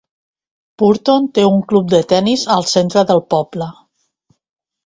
Purton té un club de tennis al centre del poble.